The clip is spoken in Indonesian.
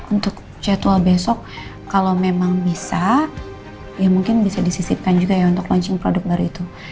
untuk jadwal besok kalau memang bisa ya mungkin bisa disisipkan juga ya untuk launching produk baru itu